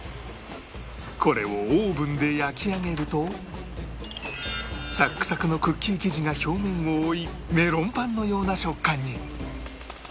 これをオーブンで焼き上げるとサックサクのクッキー生地が表面を覆いメロンパンのような食感に